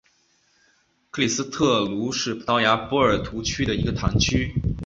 克里斯特卢是葡萄牙波尔图区的一个堂区。